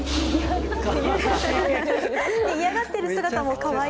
嫌がっている姿もかわいい。